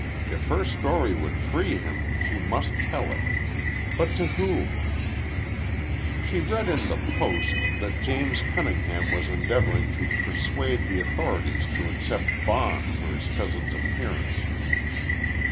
If her story would free him she must tell it. But to whom? She read in the "Post" that James Cunningham was endeavoring to persuade the authorities to accept bond for his cousin's appearance.